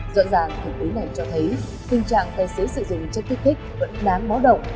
rõ ràng thực tế này cho thấy tình trạng tài xế sử dụng chất kích thích vẫn đáng báo động